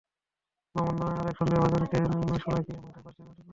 মামুন নামে আরেক সন্দেহভাজনকে শোলাকিয়া মাঠের পাশ থেকে আটক করা হয়েছে।